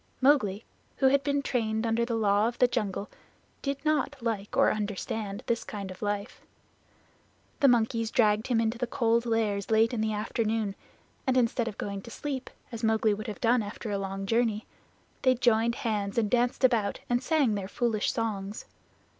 Mowgli, who had been trained under the Law of the Jungle, did not like or understand this kind of life. The monkeys dragged him into the Cold Lairs late in the afternoon, and instead of going to sleep, as Mowgli would have done after a long journey, they joined hands and danced about and sang their foolish songs.